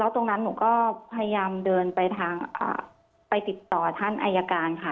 ตรงนั้นหนูก็พยายามเดินไปทางไปติดต่อท่านอายการค่ะ